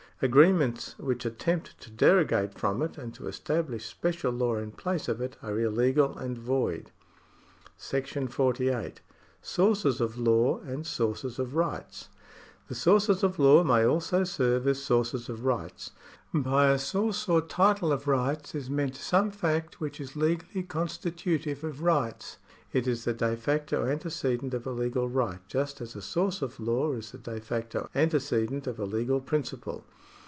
Agreements which attempt to derogate from it, and to establish special law in place of it, are illegal and void. § 48. Sources of Law and Sources of Rights. The sources of law may also serve as sources of rights. By a source or title of rights is meant some fact which is legally constitutive of rights. It is the de facto antecedent of a legal right just as a source of law is the de facto antecedent of a legal principle.